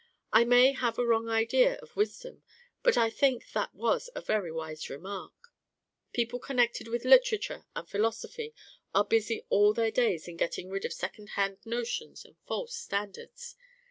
I may have a wrong idea of wisdom, but I think that was a very wise remark. People connected with literature and philosophy are busy all their days in getting rid of second hand notions and false standards.